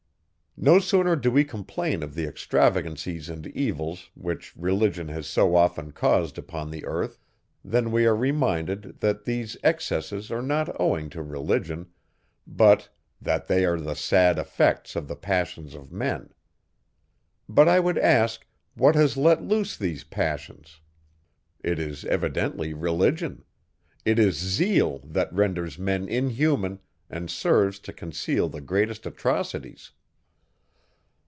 No sooner do we complain of the extravagancies and evils, which Religion has so often caused upon the earth, than we are reminded, that these excesses are not owing to Religion; but "that they are the sad effects of the passions of men." But I would ask, what has let loose these passions? It is evidently Religion; it is zeal, that renders men inhuman, and serves to conceal the greatest atrocities.